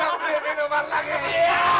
pokoknya yang benar boleh minuman lagi